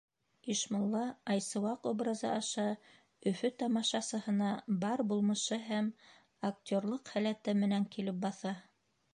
Ишмулла Айсыуаҡ образы аша Өфө тамашасыһына бар булмышы һәм актерлыҡ һәләте менән килеп баҫа.